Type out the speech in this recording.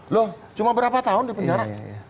loh cuma berapa tahun di penjara